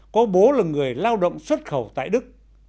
có bố là người lao động xuất khẩu tại đức